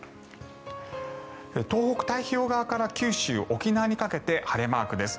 東北、太平洋側から九州、沖縄にかけて晴れマークです。